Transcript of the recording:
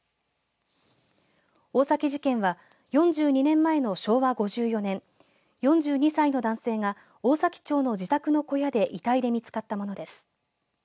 大崎事件は４２年前の昭和５４年４２歳の男性が、大崎町の自宅の小屋で遺体で見つかったものです。